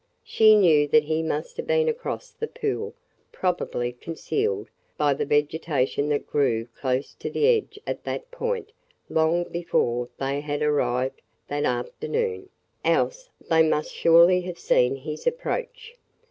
She knew that he must have been across the pool probably concealed by the vegetation that grew close to the edge at that point long before they had arrived that afternoon, else they must surely have seen his approach.